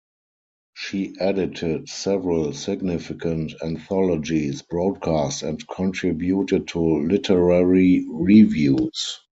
She edited several significant anthologies, broadcast, and contributed to literary reviews.